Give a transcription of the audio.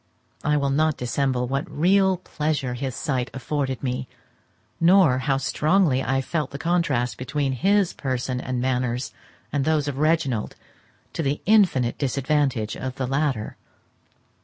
I will not dissemble what real pleasure his sight afforded me, nor how strongly I felt the contrast between his person and manners and those of Reginald, to the infinite disadvantage of the latter.